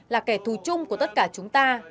là kẻ thù chung của tất cả chúng ta